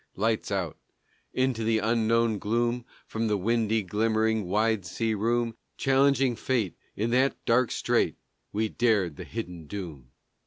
Lights out. Into the unknown gloom From the windy, glimmering, wide sea room Challenging fate in that dark strait We dared the hidden doom.